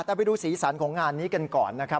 แต่ไปดูสีสันของงานนี้กันก่อนนะครับ